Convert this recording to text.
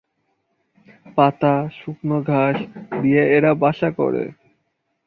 পাতা, শুকনো ঘাস দিয়ে এরা বাসা করে।